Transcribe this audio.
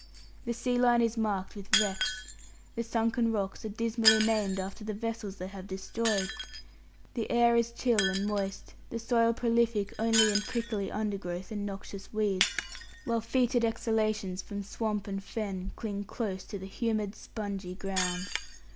The sea line is marked with wrecks. The sunken rocks are dismally named after the vessels they have destroyed. The air is chill and moist, the soil prolific only in prickly undergrowth and noxious weeds, while foetid exhalations from swamp and fen cling close to the humid, spongy ground.